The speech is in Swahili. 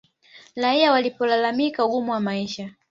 Raia walipolalamika ugumu wa maisha